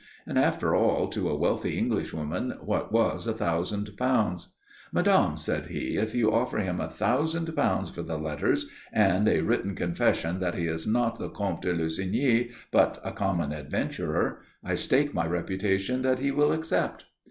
And after all to a wealthy Englishwoman what was a thousand pounds? "Madame," said he, "if you offer him a thousand pounds for the letters, and a written confession that he is not the Comte de Lussigny, but a common adventurer, I stake my reputation that he will accept."